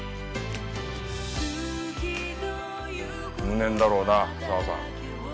無念だろうな沢さん。